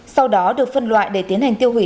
sau đó được phân loại để tiến hành tiêu hủy